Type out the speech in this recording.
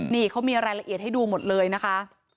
นี่เขามีรายละเอียดให้ดูหมดเลยนะคะ